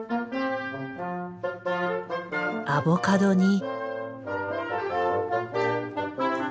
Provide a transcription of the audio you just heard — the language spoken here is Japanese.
アボカドに。